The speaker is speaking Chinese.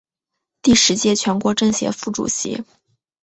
第十届全国政协副主席。